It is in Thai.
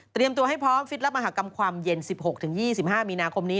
ตัวให้พร้อมฟิตรับมหากรรมความเย็น๑๖๒๕มีนาคมนี้